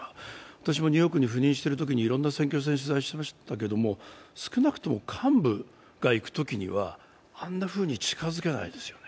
私もニューヨークに赴任してるときにいろんな選挙戦を取材しましたけど少なくとも幹部が行くときにはあんなふうに近づけないですよね。